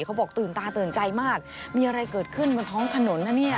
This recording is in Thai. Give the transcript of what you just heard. เขาบอกตื่นตาตื่นใจมากมีอะไรเกิดขึ้นบนท้องถนนนะเนี่ย